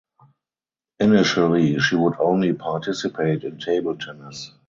Initially she would only participate in table tennis.